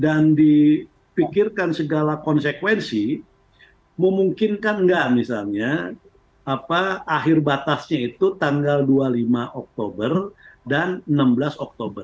dan diperkirkan segala konsekuensi memungkinkan nggak misalnya akhir batasnya itu tanggal dua puluh lima oktober dan enam belas oktober